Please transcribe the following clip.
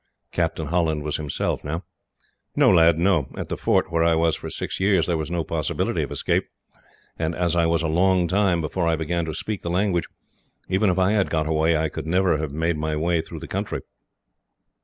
Captain Holland was himself now. "No lad, no. At the fort, where I was for six years, there was no possibility of escape; and as I was a long time, before I began to speak the language, even if I had got away I could never have made my way through the country.